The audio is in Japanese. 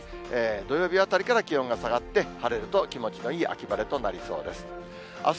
土曜日あたりから気温が下がって、晴れると気持ちのいい秋晴れとなりそうです。